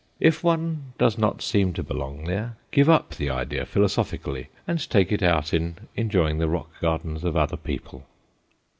If one does not seem to belong there, give up the idea philosophically and take it out in enjoying the rock gardens of other people.